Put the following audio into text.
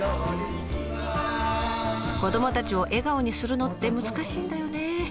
子どもたちを笑顔にするのって難しいんだよね。